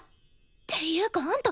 ていうかあんた